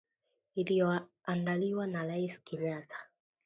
iliyoandaliwa na Raisi Kenyatta